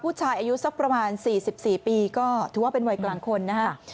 ผู้ชายอายุสักประมาณสี่สิบสี่ปีก็ถือว่าเป็นวัยกลางคนนะครับ